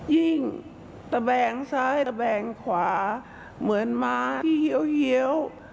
ยิ่งตะแบงซ้ายตะแบงขวาเหมือนม้าที่เหี้ยวเหี้ยว